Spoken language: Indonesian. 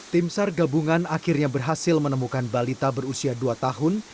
tim sar gabungan akhirnya berhasil menemukan balita berusia dua tahun